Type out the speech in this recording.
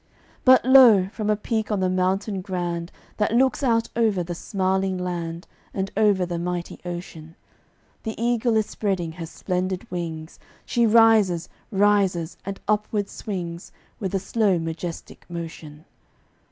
But, lo! from a peak on the mountain grand That looks out over the smiling land And over the mighty ocean, The Eagle is spreading her splendid wings She rises, rises, and upward swings, With a slow, majestic motion.